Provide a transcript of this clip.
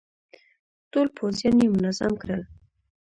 ټول پوځيان يې منظم کړل.